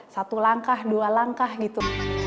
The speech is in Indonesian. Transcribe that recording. satu langkah dua langkah gitu